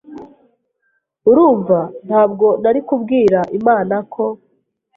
Urumva ntabwo narikubwira Imana ko